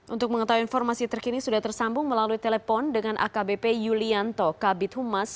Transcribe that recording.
untuk mengetahui informasi terkini sudah tersambung melalui telepon dengan akbp yulianto kabit humas